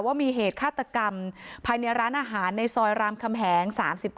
ว่ามีเหตุฆาตกรรมภายในร้านอาหารในซอยรามคำแหง๓๙